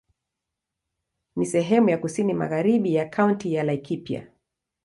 Ni sehemu ya kusini magharibi ya Kaunti ya Laikipia.